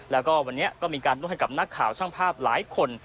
แล้วก็วันนี้ก็มีการนวดให้กับนักข่าวช่างภาพหลายคน